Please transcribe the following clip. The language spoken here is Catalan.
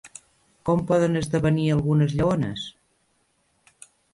Com poden esdevenir algunes lleones?